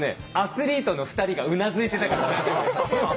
アスリートの２人がうなずいてたから。